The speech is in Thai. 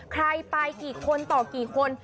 ใครไปกี่คนต่อกี่คน